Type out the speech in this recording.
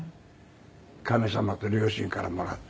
神様と両親からもらった。